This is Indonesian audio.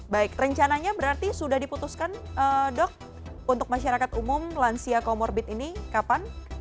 baik rencananya berarti sudah diputuskan dok untuk masyarakat umum lansia comorbid ini kapan